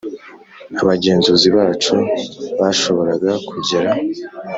abagenzuzi bacu bashoboraga kugera